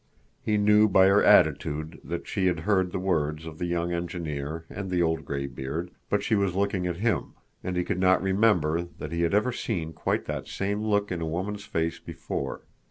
He knew by her attitude that she had heard the words of the young engineer and the old graybeard, but she was looking at him. And he could not remember that he had ever seen quite that same look in a woman's face before.